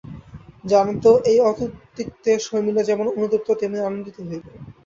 জানত এই অত্যুক্তিতে শর্মিলা যেমন অনুতপ্ত তেমনি আনন্দিত হবে।